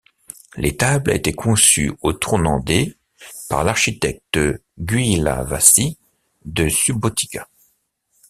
L'étable a été conçue au tournant des par l'architecte Gyula Váci de Subotica.